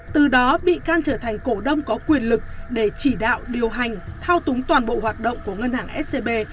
từ đó bị can trở thành cổ đông có quyền lực để chỉ đạo điều hành thao túng toàn bộ hoạt động của ngân hàng scb